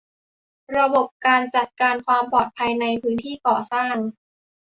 ระบบการจัดการความปลอดภัยในพื้นที่ก่อสร้าง